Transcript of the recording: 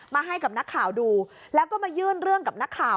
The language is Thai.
ให้กับนักข่าวดูแล้วก็มายื่นเรื่องกับนักข่าว